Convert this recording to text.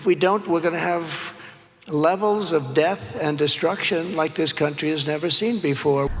jika tidak kita akan memiliki level kematian dan pembunuhan seperti yang tidak pernah dilihat di negara ini